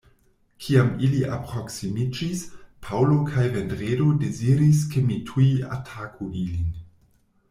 Kiam ili aproksimiĝis, Paŭlo kaj Vendredo deziris ke mi tuj ataku ilin.